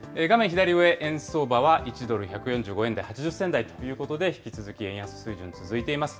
左上、円相場は１ドル１４５円台８０銭台ということで、引き続き円安水準続いています。